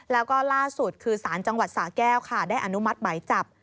แล้วก็ล่าสุดคือสารจังหวัดสาแก้วค่ะได้อนุมัติหมายจับ